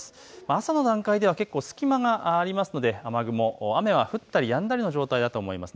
朝の段階では結構、隙間がありますので雨は降ったりやんだりの状態だと思います。